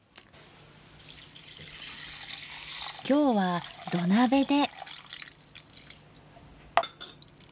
今日は土鍋で。